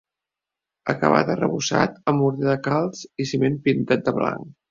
Acabat arrebossat amb morter de calç i ciment pintat de blanc.